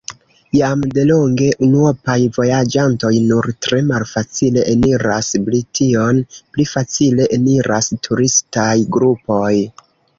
Jam delonge unuopaj vojaĝantoj nur tre malfacile eniras Brition: pli facile eniras turistaj grupoj.